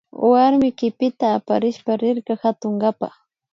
Warmi kipita aparishpa rirka katunkapa